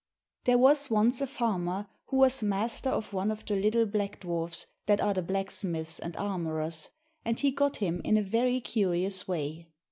There was once a farmer who was master of one of the little black dwarfs that are the blacksmiths and armourers, and he got him in a very curious way.